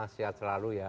sehat selalu ya